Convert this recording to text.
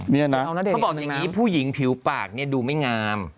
นี่นะเขาบอกอย่างนี้ผู้หญิงผิวปากเนี่ยดูไม่งาม